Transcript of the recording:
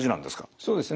そうですね。